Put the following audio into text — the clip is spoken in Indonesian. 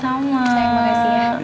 sayang makasih ya